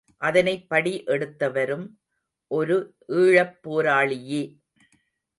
அதனைப் படி எடுத்தவரும் ஒரு ஈழப் போராளியே.